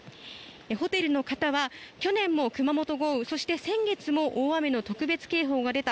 ホテルの方は、去年も熊本豪雨そして先月も大雨の特別警報が出た。